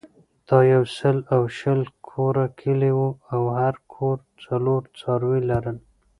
دا یو سل او شل کوره کلی وو او هر کور څلور څاروي لرل.